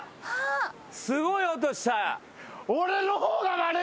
すごい音した。